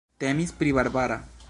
Temis pri Barbara.